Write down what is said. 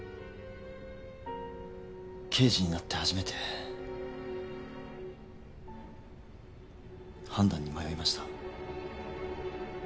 刑事になって初めて判断に迷いました。